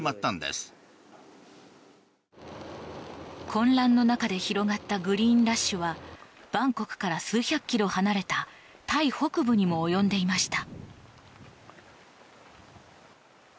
混乱の中で広がったグリーンラッシュはバンコクから数百キロ離れたタイ北部にも及んでいました。